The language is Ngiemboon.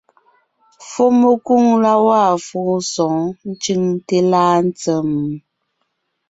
Fùɔmekwoŋ la gwaa fóo sɔ̌ɔn ncʉŋte láa ntsèm?